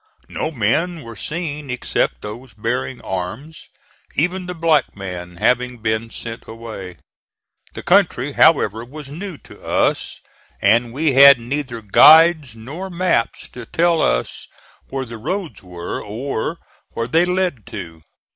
No men were seen except those bearing arms, even the black man having been sent away. The country, however, was new to us, and we had neither guides nor maps to tell us where the roads were, or where they led to.